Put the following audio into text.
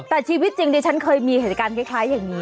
แต่ชีวิตจริงดิฉันเคยมีเหตุการณ์คล้ายอย่างนี้